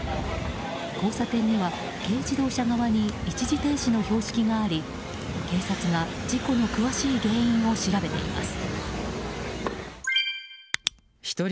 交差点には軽自動車側に一時停止の標識があり警察が事故の詳しい原因を調べています。